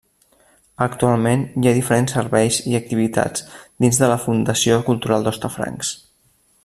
Actualment, hi ha diferents serveis i activitats dins de la Fundació Cultural d'Hostafrancs.